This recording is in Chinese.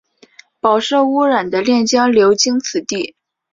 饱受污染的练江流经此地。